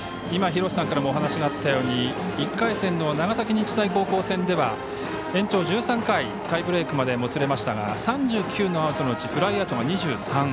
廣瀬さんからもお話があったように１回戦の長崎日大高校戦では延長１３回、タイブレークにもつれましたが３９のアウトのうちフライアウトが２３。